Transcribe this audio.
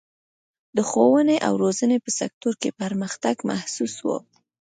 د ښوونې او روزنې په سکتور کې پرمختګ محسوس و.